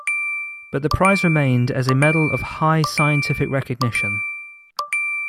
But the prize remained as a medal of high scientific recognition.